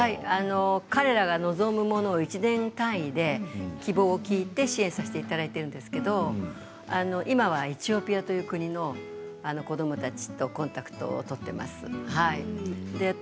彼らが望むものを１年間で希望を聞いて、支援させていただいているんですけど今はエチオピアという国の子どもたちとコンタクトを取っています。